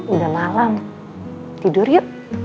udah malam tidur yuk